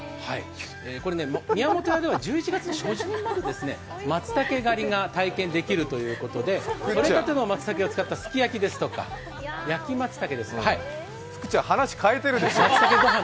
これね、宮本屋では１１月初旬までまつたけ狩りが体験できるということでまつたけを使ったすき焼きですとか焼きまつたけ福ちゃん、話、変えてるでしょ。